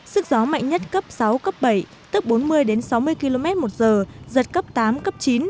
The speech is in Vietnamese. sức gió mạnh nhất cấp sáu cấp bảy tức bốn mươi đến sáu mươi km một giờ giật cấp tám cấp chín